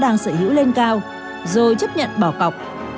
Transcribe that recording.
doanh nghiệp đó đang sở hữu lên cao rồi chấp nhận bỏ cọc